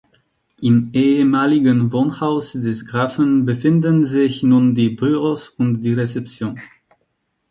Im ehemaligen Wohnhaus des Grafen befinden sich nun die Büros und die Rezeption.